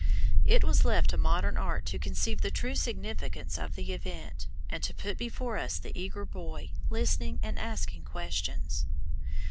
It was left to modern art to conceive the true significance of the event, and to put before us the eager boy, listening and asking questions.